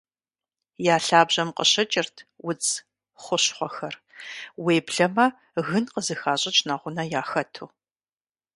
Я лъабжьэм къыщыкӀырт удз хущхъуэхэр, уеблэмэ гын къызыхащӀыкӀ нэгъунэ яхэту.